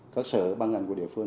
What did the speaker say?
các sở ban ngành của địa phương